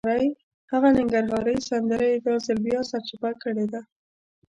هغه ننګرهارۍ سندره یې دا ځل بیا سرچپه کړې ده.